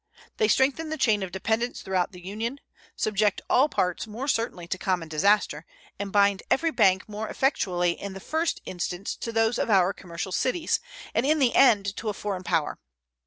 They strengthen the chain of dependence throughout the Union, subject all parts more certainly to common disaster, and bind every bank more effectually in the first instance to those of our commercial cities, and in the end to a foreign power.